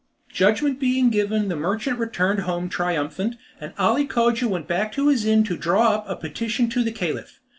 Judgment being given the merchant returned home triumphant, and Ali Cogia went back to his inn to draw up a petition to the Caliph.